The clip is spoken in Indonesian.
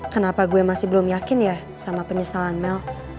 kenapa gue masih belum yakin ya sama penyesalan mel